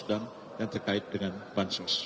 dan yang terkait dengan bansos